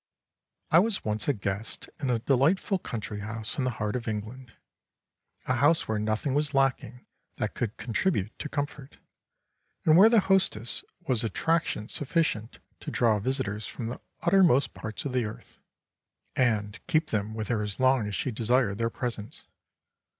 I was once a guest in a delightful country house in the heart of England, a house where nothing was lacking that could contribute to comfort, and where the hostess was attraction sufficient to draw visitors from the uttermost parts of the earth, and keep them with her as long as she desired their presence.